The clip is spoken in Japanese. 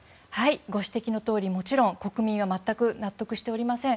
ご指摘のとおりもちろん国民は全く納得しておりません。